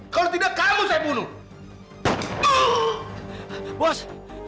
kalau tidak kamu saya bunuh